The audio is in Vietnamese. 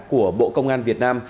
của bộ công an việt nam